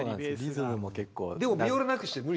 リズムも結構。